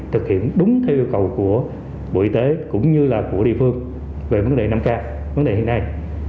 thực hiện đúng theo yêu cầu của bộ y tế cũng như là của địa phương về vấn đề năm ca vấn đề hiện nay